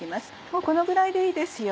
もうこのぐらいでいいですよ。